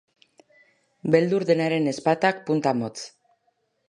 Beldur denaren ezpatak punta motz.